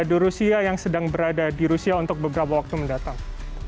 di rusia yang sedang berada di rusia untuk beberapa waktu mendatang